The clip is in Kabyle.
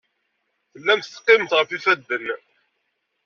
Tellam teqqimem ɣef yifadden.